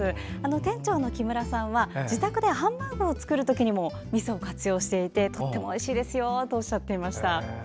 店長の木村さんは自宅でハンバーグを作る時にもみそを活用していてとてもおいしいですよとおっしゃっていました。